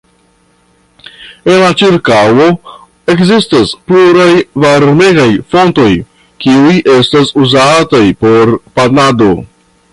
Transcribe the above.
En la ĉirkaŭo ekzistas pluraj varmegaj fontoj, kiuj estas uzataj por banado.